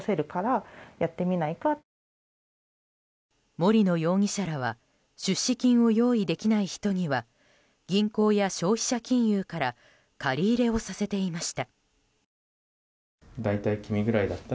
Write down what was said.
森野容疑者らは出資金を用意できない人には銀行や消費者金融から借り入れをさせていました。